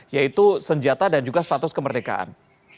yaitu senjata dan juga status kemerdekaan